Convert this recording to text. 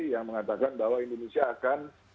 yang mengatakan bahwa indonesia akan